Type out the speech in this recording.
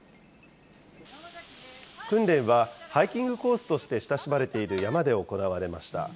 訓練はハイキングコースとして親しまれている山で行われました。